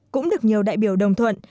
cũng được nhiều đại biểu đồng thuận